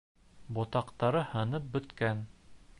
Ботаҡтары һынып бөткән.